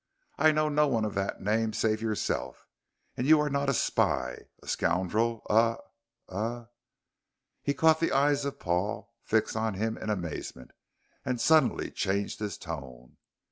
"I know no one of that name save yourself, and you are not a spy a scoundrel a a " He caught the eyes of Paul fixed on him in amazement, and suddenly changed his tone.